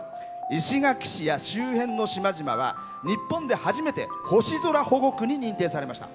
石垣市や周辺の島々は日本で初めて星空保護区に認定されました。